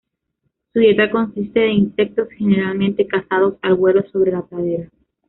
Su dieta consiste de insectos, generalmente cazados al vuelo sobre la pradera.